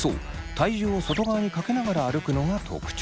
体重を外側にかけながら歩くのが特徴。